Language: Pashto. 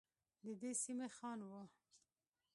ددې سمي خان وه.